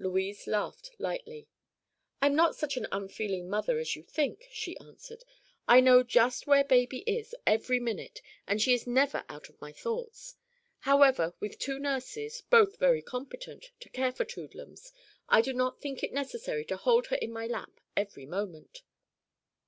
Louise laughed lightly. "I'm not such an unfeeling mother as you think," she answered. "I know just where baby is every minute and she is never out of my thoughts. However, with two nurses, both very competent, to care for Toodlums, I do not think it necessary to hold her in my lap every moment."